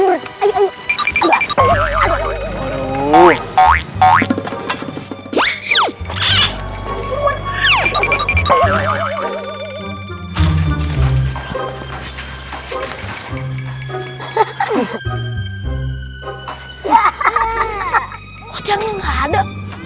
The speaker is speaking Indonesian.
dua belas dong gimana satu lagi ya